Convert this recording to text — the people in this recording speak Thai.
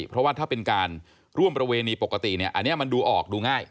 เพราะว่าถ้าเป็นการร่วมประเวณีปกติเนี่ยอันนี้มันดูออกดูง่าย